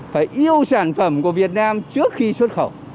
phải yêu sản phẩm của việt nam trước khi xuất khẩu